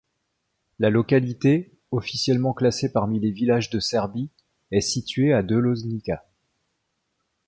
La localité, officiellement classée parmi les villages de Serbie, est située à de Loznica.